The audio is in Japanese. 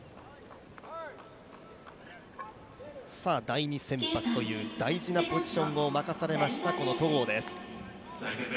第２先発という大事なポジションを任されました、この戸郷です。